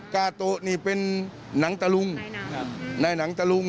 กาโตะนี่เป็นหนังตะลุงในหนังตะลุง